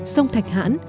sông thạch hãn